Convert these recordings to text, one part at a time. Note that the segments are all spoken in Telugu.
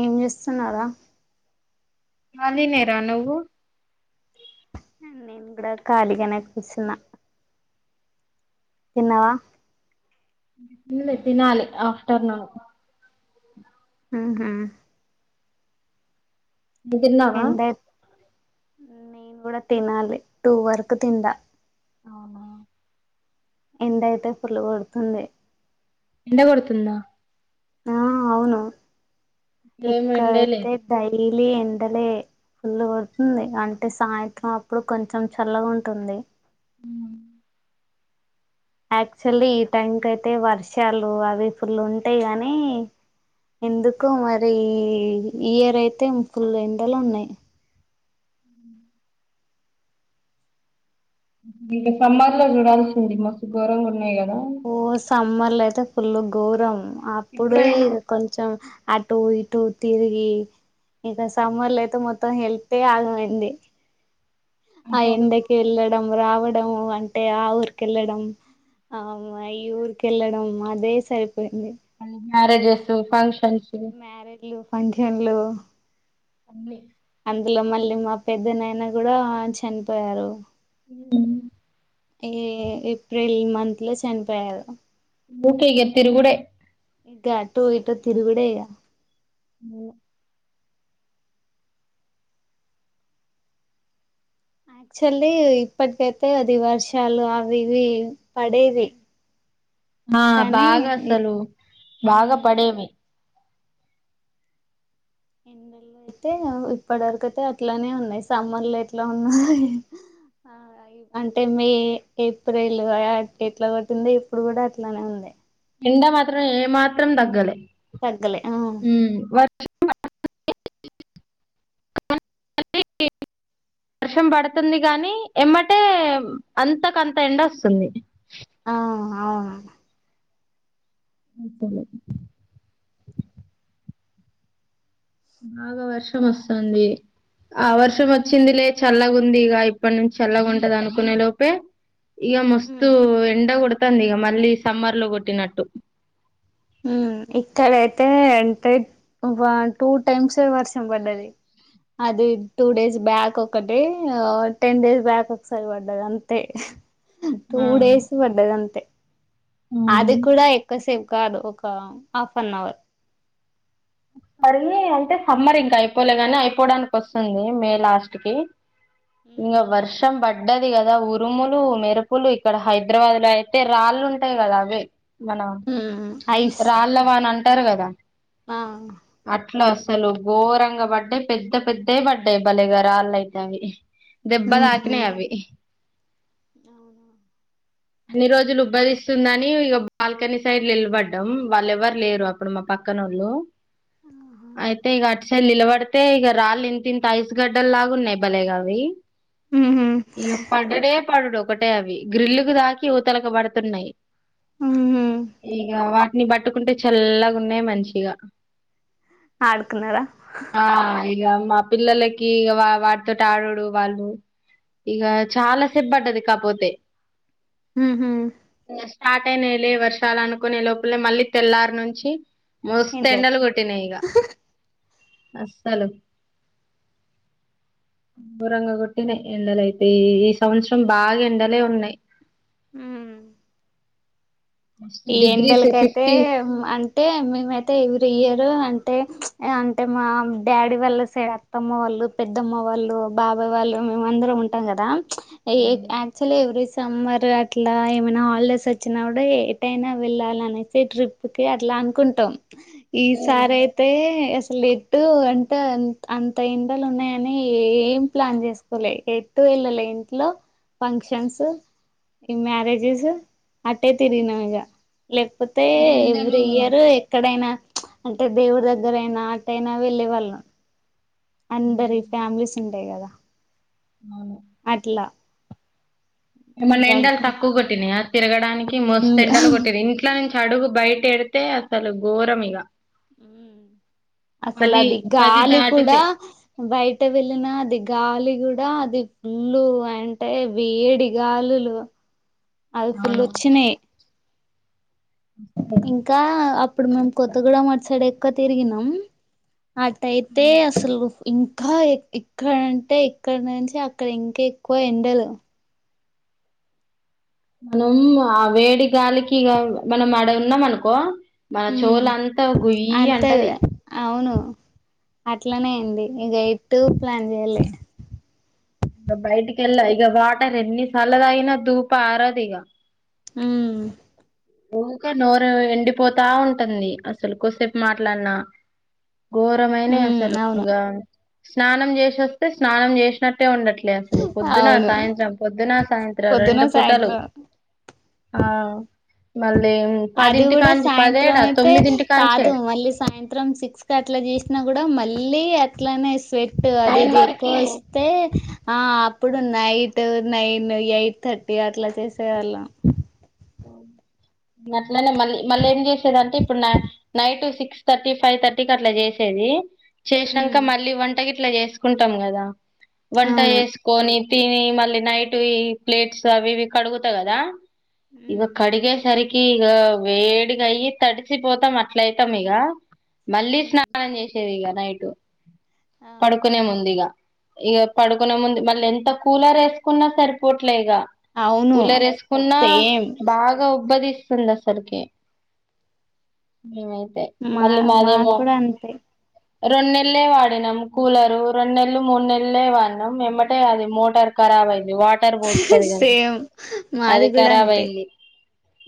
ఏం జేస్తున్నావ్ రా ఖాళీ నేరా నువ్వు నేన్ గుడా ఖాళీగనే కుస్సున్న తిన్నావా తినలే తినాలి ఆఫ్టర్నూన్. ఉహు [unintelligible] దిన్నావా ఎండ నేను గూడ తినాలి టూ వరకు తింట అవునా ఎండైతే ఫుల్లు గొడుతుంది ఎండ గొడుతుందా ఆ అవునూ ఇక్కడేం ఎండే ఇక్కడైతే లేదు డైలీ ఎండలే ఫుల్లు కొడుతుంది అంటె సాయంత్రం అప్పుడు కొంచం చల్లగా ఉంటుంది [unintelligible] ఆక్చువల్లీ ఈ టైంకయితే వర్షాలూ అవి ఫుల్ ఉంటయ్ గనీ ఎందుకో మరీ.. ఇయర్ అయితే ఫుల్ ఎండలున్నాయి. ఇంక సమ్మర్లో జూడాల్సింది మస్తు ఘోరంగున్నయి గదా ఓ సమ్మర్లైతే ఫుల్ ఘోరం అప్పుడే ఇప్పుడైనా ఇగ కొంచెం అ. అటూ ఇటూ తిరిగీ ఇంక సమ్మర్లైతే మొత్తం హెల్తే ఆగమైంది ఆ అసలు ఎండకెళ్ళడం రావడం అంటే ఆ ఊరికెళ్లడం. అమ్మ ఈ ఊరికెళ్ళడం అదే సరిపోయింది. మ్యారేజెస్సూ ఫంక్ష మ్యారేజ్లూ ఫంక్షన్లూ అన్ని. అందులో మళ్ళీ మా పెద్దనయన గుడా చనిపోయారూ [unintelligible] ఏ ఏప్రిల్ మంత్లో చనిపోయారు ఊకే ఇగా తిరుగుడే. ఇగ్గా అటూ ఇటు తిరుగుడే ఇగ [unintelligible] ఆక్చువల్లీ ఇప్పటికైతే అది వర్షాలు అవ్వి ఇవ్వీ పడేవి ఆ కానీ బాగా అసలు ఊ బాగా పడేవి ఎండలు అయితే ఇప్పటి వరకయితే అట్లానే ఉన్నాయి సమ్మర్లో ఎట్లా ఉన్నా హ్ ఆ. ఆ ఈ అంటే మే, ఏప్రిల్ యా ఎట్లా కొడ్తుందో ఇప్పుడు గూడా అట్లానే ఉంది. ఎండా మాత్రం ఏమాత్రం దగ్గలే. తగ్గలె ఆ [unintelligible] వర్షం బడతుంది గాని, ఎమ్మటే అంతాకంత ఎండొసుంది. ఆ అవును అంతలేదు బాగా వర్షం వసంది. ఆ వర్షం ఒచ్చింది లే చల్లగుంది ఇగ ఇప్పనుంచి చల్లగుంటదనుకునే లోపే ఇగా ఉమ్ మస్తు ఎండ కొడుతుంది ఇక మళ్ళీ సమ్మర్ లో కొట్టినట్టు హ్మ్ ఇక్కడైతే అంటే టూ టైమ్స్ వర్షం పడ్డది అది టూ డేస్ బ్యాక్ ఒకటి టెన్ డేస్ బ్యాక్ ఒకసారి పడ్డారు అంతే టూ ఆ డేస్ పడ్డది అంతే అవును అది కూడా ఎక్కువసేపు కాదు ఒక హాఫ్ అన్ అవర్ మరి అంటే సమ్మర్ ఇంకా అయిపోలే గాని అయిపోవడానికి వస్తుంది మే లాస్ట్ కి ఇంక వర్షం బట్ పడ్డది కదా ఉరుములు మెరుపులు ఇక్కడ హైదరాబాద్ లో అయితే రాళ్ళు ఉంటాయి కదా అవి మన ఉమ్ ఐస్ రాళ్ళవాన అంటారు కదా ఆ అట్లా అసలు ఘోరంగ పడ్డాయి పెద్ద పెద్ద పడ్డాయి బలేగ రాళ్లు అయితే అవి దెబ్బ దాకినయ్ అవి అవును అన్ని రోజులు ఉబ్బదిస్తుందని ఇక బాల్కనీ సైడ్ నిలబడ్డం వాళ్ళు ఎవ్వరు లేరు అప్పుడు మా పక్క పక్కనోళ్లు అయితే ఇగా అసలు నిలబడితే ఇక రాళ్ళు ఇంత ఇంత ఐస్ గడ్డలు లాగా ఉన్నాయి భలేగా అవి ఉ హ్మ్ ఇక పడుడే పడుడు ఒకటే అవి గ్రిల్లుకు తాకి ఇవతలకి పడుతున్నాయి ఉహు ఇక వాటిని పట్టుకుంటే చల్లగా ఉన్నాయి మంచిగా ఆడుకున్నారా ఆ ఇక మా పిల్లలకి ఇ వా వాటితోటి ఆడుడు వాళ్ళు ఇక చాలా సేపు పడ్డది కాకపోతే ఉ హ్మ్ స్టార్ట్ అయినయ్ లే వర్షాలు అనుకునే లోపలే మళ్ళీ తెల్లారు నుంచి మస్త ఎండలు కొట్టినాయి ఇగ అసలు గోరంగ కొట్టిన ఎండలయితే ఈ ఈ సంవత్సరం బాగా ఎండలే ఉన్నాయి ఉమ్ మస్తు ఈ డిగ్రీస్ ఎండలకైతే ఫిఫ్టీ అంటే మేమైతే ఇ ఈ ఇయర్ అంటే అంటే మా డాడీ వాళ్ళ సే అత్తమ్మ వాళ్ళు పెద్దమ్మ వాళ్ళు బాబాయ్ వాళ్ళు మేము అందరం ఉంటాం కదా యాక్చువల్ ఎవ్రీ సమ్మర్ అట్లా ఏమైనా హాలిడేస్ వచ్చినా కూడా ఎటైనా వెళ్ళాల అనేసి ట్రిప్ కి అట్లా అనుకుంటాం ఈసారి అయితే అసలు ఎటు అంటే అంత ఎండలు ఉన్నాయని ఏం ప్లాన్ చేసుకోలే ఎటు పిల్లల ఇంట్లో ఫంక్షన్స్ ఈ మ్యారేజెస్ అట్టే తిరిగినం ఇక లేకపోతే మరి ఎండలు ఎవ్రీ ఇయర్ ఎక్కడైనా అంటే దేవుడి దగ్గర అయినా అట్టయినా వెళ్ళే వాళ్ళం అందరి ఫ్యామిలీస్ ఉంటాయి కదా అవను అట్లా ఏమైనా ఇంకా ఎండలు తక్కువ కొట్టినాయా తిరగడానికి మస్తు ఫుల్ ఎండలు కొట్టినాయి ఇంట్లో నుంచి అడుగు బయట తిడితే అసలు ఘోరం ఇగా అసలు అది పది గాలి కూడా దాటితే బయట వెళ్ళిన అది గాలి కూడా అది ఫుల్ అంటే వేడి గాలులు అది ఫుల్ అవును వచ్చినాయి ఇంకా అప్పుడు మేము కొత్తగూడం అటు సైడ్ ఎక్కువ తిరిగినం అట్టయితే అసలు ఇం ఇంకా ఇక్కడంటే ఇక్కడ నుంచి అక్కడ ఇంకా ఎక్కువ ఎండలు మనం ఆ వేడి గాలికి ఇక మనం ఆడ ఉన్నాం అనుకో మన ఉమ్ చేవులంతా గుయ్యి అంతే అంటది అవును అట్లనే అండి ఇక ఎట్టు ప్లాన్ చేయాలే ఇక బయటికెలా ఇక వాటర్ ఎన్ని సార్లు తాగిన ధూప ఆరదు ఇగ హమ్ ఊకా నోరు ఎండిపోతా ఉంటుంది అసలు కోసేపు మాట్లాడినా ఘోరమైనే ఉమ్ అవును అసలుగా స్నానం చేసి వస్తే స్నానం చేసి చేసినట్టే ఉండట్లే అసలు పొద్దున అవును సాయంత్రం పొద్దున సాయంత్రం పొద్దున రెండు పుటాలు సాయంత్రం ఆ మల్ అది కూడా సాయంత్రం అయితే తొమ్మిదింటి కాదు కాంచే మళ్ళీ సాయంత్రం సిక్స్ కి అట్లా చేసినా కూడా మళ్ళీ మళ్ళీ అట్లనే స్వెట్ అది నైన్ ఇది ఎక్కువ వరకి వస్తే ఆ అప్పుడు నైట్ నైన్ ఎయిట్ థర్టీ అట్లా చేసేవాళ్ళం అట్లనే మళ్ళీ మళ్ళీ ఏం చేసేది అంటే ఇప్పుడు నైట్ సిక్స్ థర్టీ ఫైవ్ థర్టీకి అట్లా చేసేది చేసాక ఉమ్ మళ్ళీ వంటకి ఇట్లా చేసుకుంటాం కదా వంట అవును చేసుకొని తిని మళ్ళీ నైట్ ఇ ప్లేట్స్ అవి ఇవి కడుగుతా కదా ఇవ ఉమ్ కడిగే సరికి కి ఇక వేడిగా అయి తడిసిపోతాం అట్లయితాం ఇగ మళ్ళీ ఉమ్ స్నానం చేసేది ఇక నైట్ ఆ పడుకునే ముందు ఇగ ఇక పడుకునే ముందు మళ్ళీ ఎంత కూలర్ వేసుకున్నా సరిపోట్లే ఇక అవును కూలర్ వేసుకున్న సేమ్ బాగా ఉబ్బదిస్తుంది అసలకి ఉమ్ అంటే మళ్ళి మా మాకు దేమో కూడా అంతే రెండు నెలలే వాడినాం కూలరు రెండు నెలలు మూడు నెలలే వాడినాం ఎమ్మటే అది మోటార్ ఖరాబ్ అయింది వాటర్ పోస్తది కదా సేమ్ మాది అది కూడా ఖరాబ్ అంతే అయింది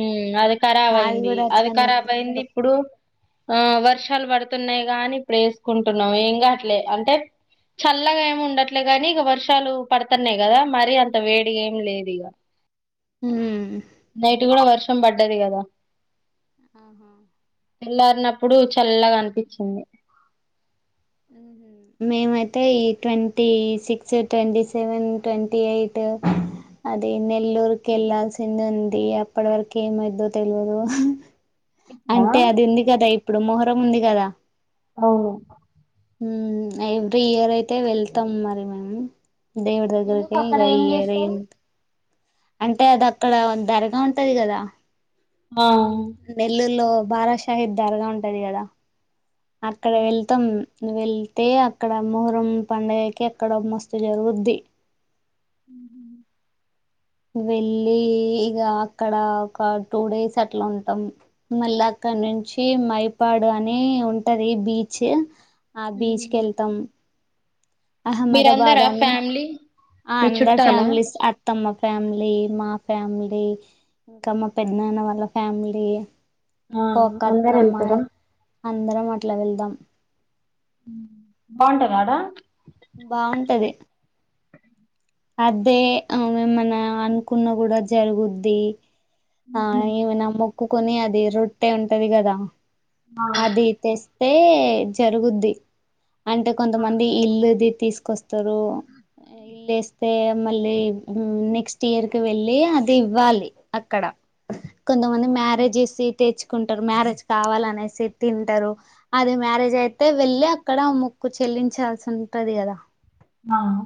ఉమ్ అది ఖరాబ్ మాది అయింది కూడా అది అట్లనే ఖరాబ్ అయింది ఇప్పుడు ఆ వర్షాలు పడుతున్నాయి గా అని ఇప్పుడు వేసుకుంటున్నాం ఏం కాట్లే అంటే చల్లగా ఏమి ఉండట్లే గాని ఇక వర్షాలు పడుతున్నాయి కదా మరి అంత వేడి ఏమి లేదు ఇక ఉమ్ నైట్ కూడా వర్షం పడ్డది కదా ఆహ తెల్లారి నప్పుడు చల్లగా అనిపించింది ఉహుమ్ మేమయితే ఈ twenty six twenty seven twenty eight అది నెల్లూరుకి వెళ్లాల్సింది ఉంది అప్పటి వరకు ఏమైదో తెలియదు అంటే అది ఉంది కదా ఇప్పుడు మొహరం ఉంది కదా అవును మ్ ఎవ్రీ ఇయర్ అయితే వెళ్తాం మరి మనం దేవిడు ఎందుకు దగ్గరికి ఇగ అక్కడ ఏం ఈ ఇయార్ ఏం చేస్తారు అంటే అది అక్కడ ధరగా ఉంటది కదా ఆ నెల్లూరులో బాలాషాహెబ్ ధరగా ఉంటది కదా అక్కడ ఉ వెళతాం వెళ్తే అక్కడ మహరం పండుగకి అక్కడ మస్తు జరుగుద్ది అ వెళ్ళి ఇగ అక్కడ ఒక టూ డేస్ అట్లా ఉంటాం మళ్ళీ అక్కడ డ్ నుంచి మైపాడు అని ఉంటది బీచ్ ఆ బీచ్ కి వెళ్తాం అహ్మదాబాద్ మీరందరా అని ఫ్యామిలీ ఆ మీ అందరు చుట్టాలా ఫ్యామిలీస్ అత్తమ్మ ఫ్యామిలీ మా ఫ్యామిలీ ఇంకా మా పెద్ద నాన్న వాళ్ళ ఫ్యామిలీ ఆ ఇంకొక అందరు అత్తమ్మాయి వెళ్తారా అందరం అట్లా వెళ్దాం బాగుంటాదాడా బాగుంటది అదే మేమన్నా అనుకున్న కూడా జరుగుద్ది ఆ ఏమైనా మొక్కుకుని అది రొట్టె ఉంటది కదా ఆ అది తెస్తే జరుగుద్ది అంటే ఆ కొంతమంది ఇల్లుది తీసుకొస్తారు ఇల్లు ఎస్ తే మళ్ళీ నెక్స్ట్ ఇయర్ కి వెళ్ళి అది ఇవ్వాలి అక్కడ కొంతమంది అదే మ్యారేజ్ చేసి తెచ్ మొక్కుంటరు మ్యారేజ్ కావాలనేసి తింటరు అది మ్యారేజ్ అయితే వెళ్ళి అక్కడ మొక్కు చె చెల్లించాల్సి ఉంటది కదా అవును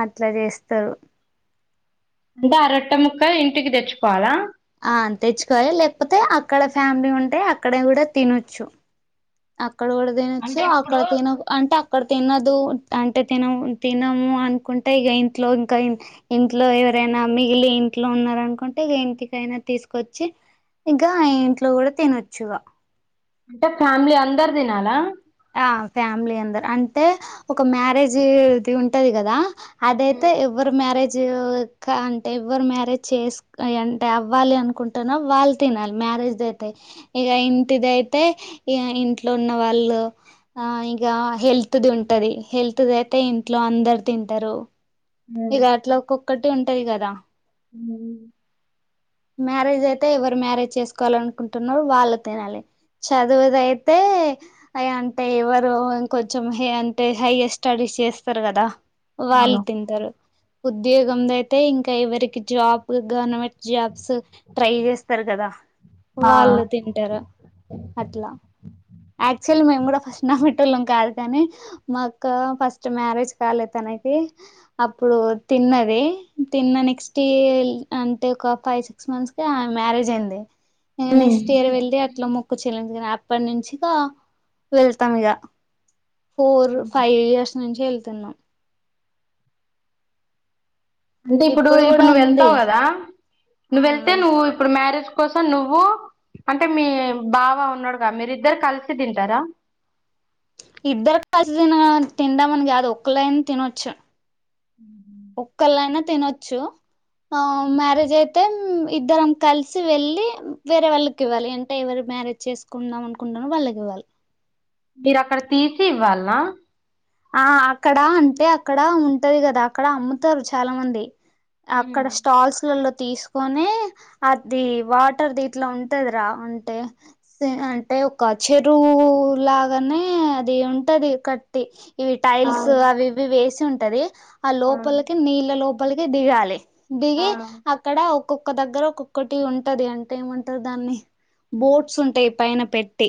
అట్ల చేస్తరు అంటే ఆ రొట్టె ముక్క ఇంటికి తెచ్చుకోవాలా అ తెచ్చుకోవాలి లేకపోతే అక్కడ ఫ్యామిలీ ఉంటే అక్కడ కూడ తినొచ్చు అక్కడ కూడ తినొచ్చు అంటే అక్కడ ఇప్పుడు తిన అంటే అక్ అక్కడ తినదు అంటే తిన తినము అనుకుంటే ఇగ ఇంట్లో ఇంక ఇంట్లో ఎవరైనా మిగిలి ఇంట్లో ఉన్నారనుకుంటే ఇగ ఇంటికైనా తీసుకొచ్చి ఇంక ఆ ఇంట్లో కూడా తినొచ్చుగా అంటే ఫ్యామిలీ అందరు తినాలా ఆ ఫ్యామిలీ అందరు అంటే ఒక మ్యారేజ్ ది ఉంటది కదా అదేయితేఎవరు మ్యారేజ్ ఊ కా అంటే ఎవ్వరు మ్యారేజ్ చేసు అంటే అవ్వాలి అనుకుంటుననో వాళ్ళు తినాలి మ మ్యారేజ్ది అయితే ఇక ఇంటిది అయితే ఇగ ఇంట్లో ఉన్న వాళ్ళు ఆ ఇగా హెల్త్ ది ఉంటది హెల్త్ ది అయితే ఇంట్లో అందరు తింటరు ఉ ఇగా అట్ల ఒక్కొక్కటి ఉంటయ్ కదా మ్ మ్యారేజ్ అయితే ఎవరు మ్యారేజ్ చేసుకోవాలి అనుకుంటున్నారో వాళ్ళు తినాలి చదువుదయితే అ అంటే ఎవరు కొంచెం హే అంటే హైయర్ స్టడీ చేస్తరు కదా వాళ్ళు అవును తింటరు ఉద్యోగం ధైతే ఇంకా ఎవరికి job government jobs try చేస్తరు కదా ఆ వాళ్ళు తింటరు అట్లా యాక్టుల్ల్య్ మేము కూడా ఫస్ట్ నమ్మి ల్లం కాదు కానీ మాక్కా ఫస్ట్ మ్యారేజ్ కాలే తనకి అప్పుడు తి తిన్నది తిన్న నెక్స్ట్ యి అంటే ఒక ఫైవ్ సిక్స్ మంత్స్కే ఆమె మ్యారేజ్ అయింది ఇగ ఉమ్ నెక్స్ట్ ఇయర్ వెళ్ళి అట్ల మొక్కు చెల్లించుకోని అప్పటి నుంచి ఇకా వెళ్తాం ఇగ ఫోర్ ఫైవ్ ఇయర్స్ నుంచే వెళ్తున్నాం. అంటే ఇప్పుడు ఇప్పుడు కూడా నువ్వు ఉంది వెళ్తావు కదా నువ్వు వెళ్తే నువ్వు వెళ్తాం ఇప్పుడు మ్యారేజ్ కోసం నువ్వు అంటే మీ బావ ఉన్నాడుగా మీరిద్దరు కలిసి తింటరా? ఇద్దరు కలిసి తిన తిందామని కాదు ఒక్కళైన తినొచ్చు. ఒక్కలైన తినొచ్చు. ఆ మ్యారేజ్ అయితే ఇద్దరం కలిసి వెళ్ళి వేరే వాళ్ళకి ఇవ్వాలి అంటే ఎవరు? మ్యారేజ్ చేసుకుందాం అనుకుంటున్నారో వాళ్ళకి ఇవ్వాలి. మీరు అక్కడ తీసి ఇవ్వాలనా? ఆ అక్కడ అంటే అక్కడ ఉంటది కదా అక్కడ అమ్ముతరు చాలా మంది అక్కడ స్టాల్స్ లల్లో తీసుకొని అది వాటర్ దీట్లో ఉంటదిరా అంటే ది అంటే ఒక చెరువు లాగనే అది ఉంటది. కట్టి ఇవి ఆ టైల్స్ అవి ఇవి వేసి ఉంటది ఆ లోపలికి నీళ్ళ లోపలికి దిగాలి. ఆ దిగి అక్కడ ఒ ఒక్క దగ్గర ఒక్కొక్కటి ఉంటది అంటే ఏమంటరు దాన్ని బోట్స్ ఉంటాయి. పైన పెట్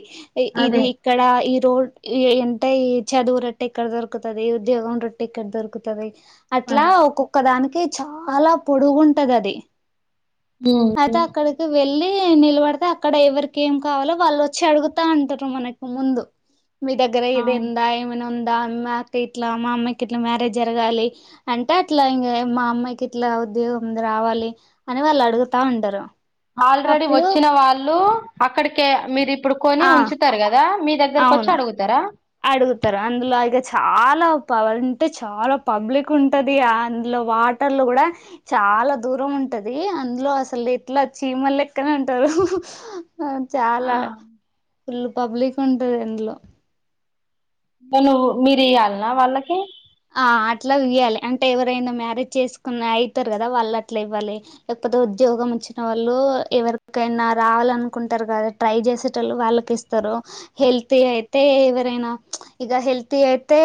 ఇది అదే ఇక్కడ ఈ రోడ్ ఏ ఎంటాయి చదువు ర ఎక్కడ దొరుకుతది ఉద్యోగం రొట్టె ఇక్కడ దొరుకుతది అట్లా అదే ఒక్కొక్క దానికి చాలా పొడుగుంటది అది ఉమ్. అయితే అక్కడకి వెళ్ వెళ్లి నిలబడితే అక్కడ ఎవరికి ఏం కావాలో వాళ్ళు వచ్చి అడుగుతా అంటారు మనకి ముందు మీ దగ్గర ఆ ఏదైనా ఉందా ఏమైనా ఉం దా మాక్ ఇట్లా మా అమ్మాయికి ఇట్లా మ్యారేజ్ జరగాలి. అంటే ఇట్లా ఇంగా మా అమ్మాయికి ఇట్లా ఉద్యోగం రావాలి అని వాళ్ళు అడుగుతా ఉంటారు. ఆల్రెడీ అప్పుడు వచ్చిన వాళ్ళు అక్కడికే మీరు ఇప్పుడు కొని ఆ ఉంచుతారు కదా మీ దగ్గర కొచ్చి అవును అడుగుతరా? అడుగుతారు అందులో ఇగ చాలా పవలు అంటే చాలా పబ్లిక్ ఉంటది అందులో వాటర్లు కూడా చాలా దూరం ఉంటది అందులో అసలు ఎట్లా చీమల లెక్కనే ఉంట చాలా ఫుల్ పబ్లిక్ ఉంటది. ఇందులో మీ నువ్వు మీరు ఇయ్యాలిన్నా వాళ్ళకి? ఆ అట్లా ఇయ్యాలి అంటే ఎవరైనా మ్యారేజ్ చేసుకున్న అయితారు కదా వాళ్ళు అట్లా ఇవ్వాలి. ఉద్యోగం వచ్చిన వాళ్ళు ఎవరికైనా రావాల అనుకుంటారు కదా ట్రై చేసేటోళ్ళు వాళ్ళకి ఇస్ తరు హెల్తీ అయితే ఎవరైనా ఇగా హెల్తీ అయితే